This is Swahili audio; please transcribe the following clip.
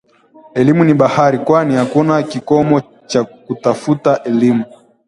Elimu ni bahari kwani hakuna kikomo cha kutafuta elimu